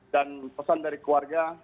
dan pesan dari keluarga